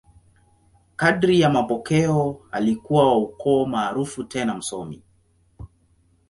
Kadiri ya mapokeo, alikuwa wa ukoo maarufu tena msomi.